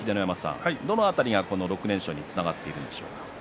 どの辺りが６連勝につながっているでしょうか。